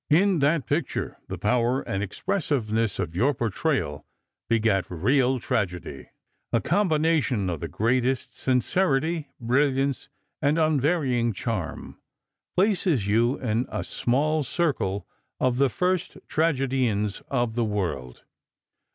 In that picture, the power and expressiveness of your portrayal begat real tragedy. A combination of the greatest sincerity, brilliance and unvarying charm, places you in the small circle of the first tragediennes of the world....